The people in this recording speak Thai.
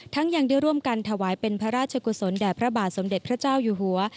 ยังได้ร่วมกันถวายเป็นพระราชกุศลแด่พระบาทสมเด็จพระเจ้าอยู่หัว